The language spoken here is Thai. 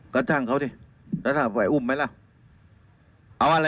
กระทั่งเขาสิกระทั่งไว้อุ้มไว้ล่ะ